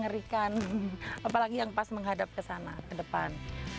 dengan sudut pemotretan yang tepat